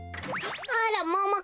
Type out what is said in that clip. あらもも